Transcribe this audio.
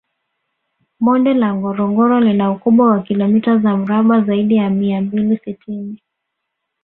Bonde la Ngorongoro lina ukubwa wa kilomita za mraba zaidi ya mia mbili sitini